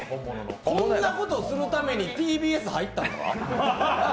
こんなことするためにＴＢＳ入ったんか？